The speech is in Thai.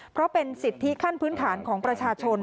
เพราะเป็นสิทธิขั้นพื้นฐานของประชาชน